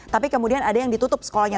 tapi kemudian ada yang ditutup sekolahnya